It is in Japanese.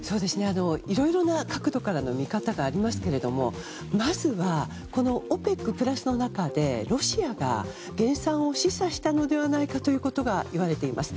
いろいろな角度からの見方がありますがまずは、ＯＰＥＣプラスの中でロシアが減産を示唆したのではないかということが言われています。